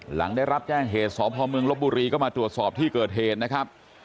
หลังได้รับแจ้งเหตุสพเมืองลบบุรีก็มาตรวจสอบที่เกิดเหตุนะครับ